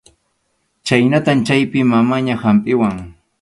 Chhaynatam chaypi mamaña hampiwan.